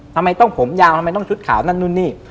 ทำไมต้องผมยาวทำไมต้องชุดขาวนั่นนู่นนี่